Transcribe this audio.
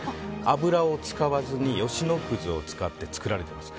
油を使わずに吉野葛を使って作られています。